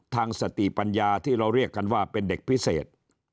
ทางสติปัญญาที่เราเรียกกันว่าเป็นเด็กพิเศษ